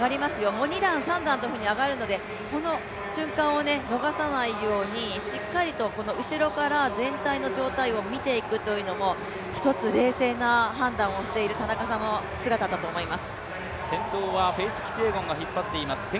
もう２段、３段というふうに上がるので、この瞬間を逃さないようにしっかりとこの後ろから全体の状態を見ていくというのもひとつ冷静な判断をしている田中さんの姿だと思います。